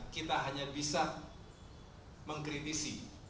kita hanya bisa mengkritisi